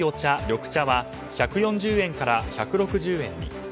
緑茶は１４０円から１６０円に。